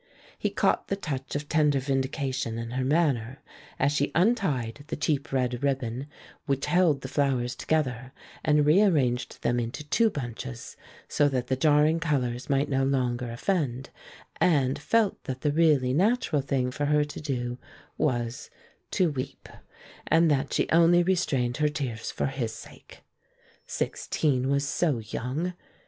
He caught the touch of tender vindication in her manner as she untied the cheap red ribbon which held the flowers together and rearranged them into two bunches so that the jarring colors might no longer offend, and felt that the really natural thing for her to do was to weep, and that she only restrained her tears for his sake. Sixteen was so young!